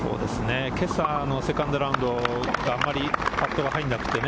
今朝のセカンドラウンド、あまりパットが入らなくて。